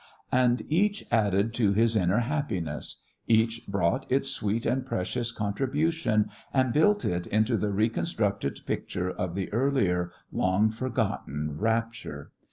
And each added to his inner happiness; each brought its sweet and precious contribution, and built it into the reconstructed picture of the earlier, long forgotten rapture.